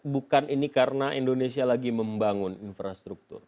bukan ini karena indonesia lagi membangun infrastruktur